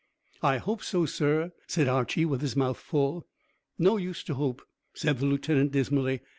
"I hope so, sir," said Archy, with his mouth full. "No use to hope," said the lieutenant dismally.